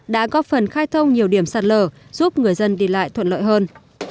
đã có phần khai thông nhiều điểm sạt lở giúp người dân đi lại thuận lợi hơn